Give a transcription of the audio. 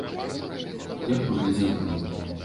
Я б паглядзела, пэўна.